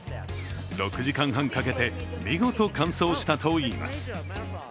６時間半かけて、見事完走したといいます。